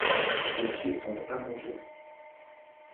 Les pieds sont allongés.